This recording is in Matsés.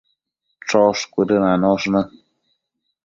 Chosh cuëdënanosh në